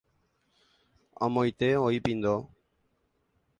Amoite oĩ pindo.